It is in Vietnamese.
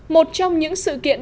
một trong những sự kiện